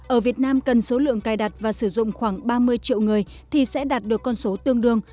ở việt nam cần số lượng cài đặt và sử dụng khoảng ba mươi triệu người thì sẽ đạt được con số tương đương